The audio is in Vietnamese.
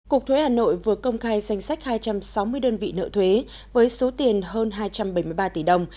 cục thuế hà nội vừa công khai danh sách hai trăm sáu mươi đơn vị nợ thuế với số tiền hơn hai trăm bảy mươi ba tỷ đồng